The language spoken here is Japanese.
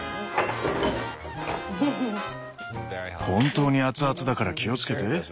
本当に熱々だから気をつけて。